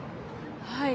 はい。